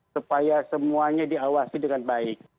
supaya semuanya diawasi dengan baik